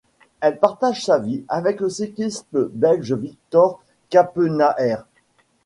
Elle partage sa vie avec le cycliste belge Victor Campenaerts.